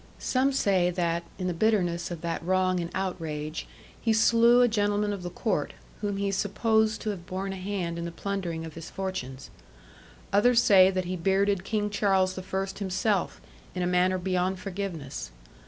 Some say that, in the bitterness of that wrong and outrage, he slew a gentleman of the Court, whom he supposed to have borne a hand in the plundering of his fortunes. Others say that he bearded King Charles the First himself, in a manner beyond forgiveness.